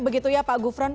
begitu ya pak gufron